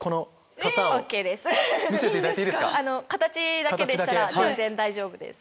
かたちだけでしたら全然大丈夫です。